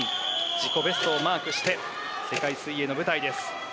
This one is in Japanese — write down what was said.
自己ベストをマークして世界水泳の舞台です。